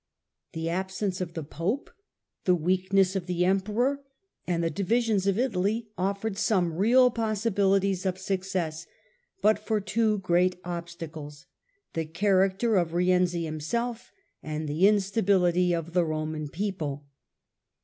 The absence of the Pope, the weakness of the Emperor, and the divisions of Italy offered some real possibiHties of suc cess, but for two great obstacles : the character of Rienzi himself, and the instability of the Roman people.